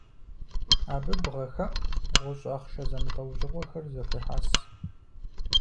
Абы бгъэхэӏу, гъущӏ ахъшэ зэмылӏэужьыгъуэхэр зэхуехьэс.